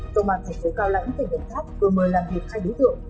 công an thành phố cao lãnh tỉnh đồng tháp vừa mời làm việc hai đối tượng